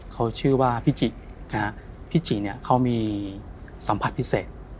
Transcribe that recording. เขาชื่อว่าพี่จินะฮะพี่จิเนี่ยเขามีสัมผัสพิเศษ